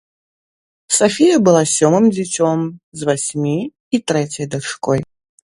Сафія была сёмым дзіцем з васьмі і трэцяй дачкой.